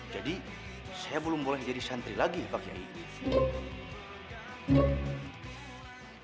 jadi saya belum boleh jadi santri lagi pakai ini